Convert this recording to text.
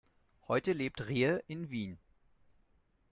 Heute lebt Rehe in Wien.